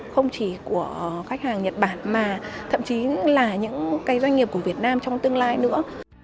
không chỉ của khách hàng nhật bản mà thậm chí là những cái doanh nghiệp của việt nam trong tương lai nữa